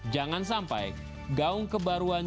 jangan sampai gaung kebaruan